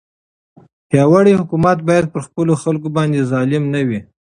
پیاوړی حکومت باید پر خپلو خلکو باندې ظالم نه وي.